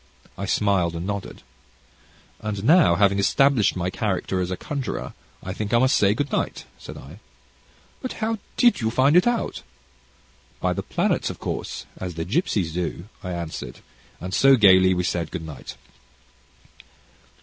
I smiled and nodded. "And now, having established my character as a conjurer, I think I must say good night," said I. "But how did you find it out?" "By the planets, of course, as the gipsies do," I answered, and so, gaily we said good night.